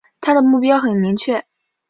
他的目标很明确